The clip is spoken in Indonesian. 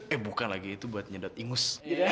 eh bukan lagi itu buat nyedat ingus